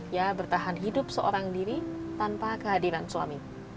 ia bertahan hidup seorang diri tanpa kehadiran suami